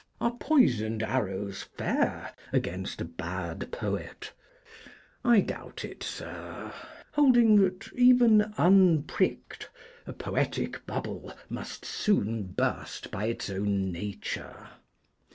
Are poisoned arrows fair against a bad poet? I doubt it, Sir, holding that, even unpricked, a poetic bubble must soon burst by its own nature.